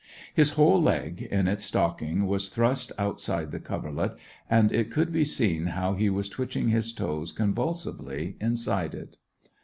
His whole leg, in its stocking, was thrust outside the coverlet, and it could be seen how he was twitch ing his toes convulsively inside it.